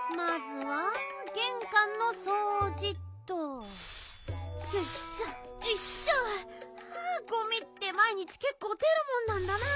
はあごみってまいにちけっこう出るもんなんだな。